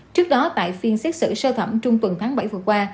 trước đó tại phiên xét xử sơ thẩm trong tuần tháng bảy vừa qua